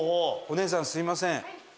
お姉さんすみません。